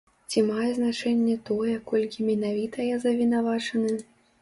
Ці мае значэнне тое, колькі менавіта я завінавачаны?